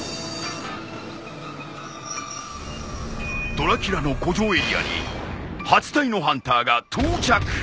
ドラキュラの古城エリアに８体のハンターが到着。